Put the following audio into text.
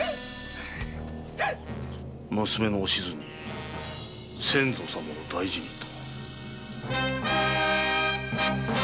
娘のお静に「先祖様を大事に」と。